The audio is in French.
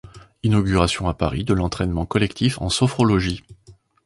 Inauguration à Paris de l'entraînement collectif en sophrologie.